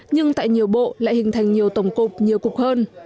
nhưng tại nhiều bộ lại hình thành nhiều tổng cục nhiều cục hơn